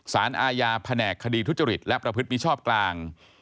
สารอาญาแผนกคดีทุจริตและประพฤติมิชชอบกลาง